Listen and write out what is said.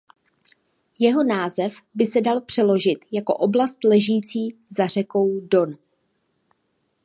Jeho název by se dal přeložit jako oblast ležící za řekou Don.